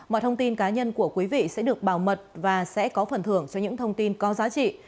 mọi thông tin cá nhân của quý vị sẽ được bảo mật và sẽ có phần thưởng cho những thông tin có giá trị